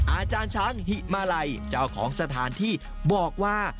อาจารย์ช้างหิมาลัยเจ้าของสถานที่บอกว่า